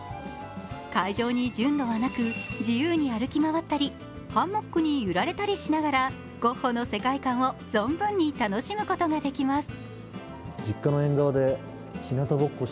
会場に順路はなく、自由に歩き回ったりハンモックに揺られたりしながらゴッホの世界観を存分に楽しむことができます。